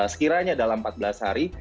sekiranya dalam empat belas hari